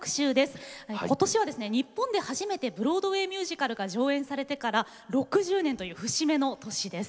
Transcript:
今年は日本で初めてブロードウェイミュージカルが上演されてから６０年という節目の年です。